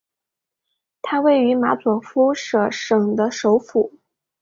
它位于马佐夫舍省的首府。